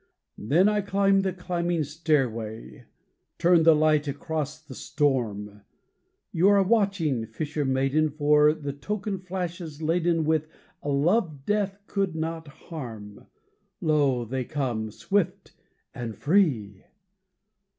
Then I climb the climbing stairway, Turn the light across the storm; You are watching, fisher maiden For the token flashes laden With a love death could not harm Lo, they come, swift and free!